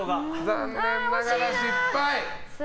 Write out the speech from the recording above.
残念ながら失敗！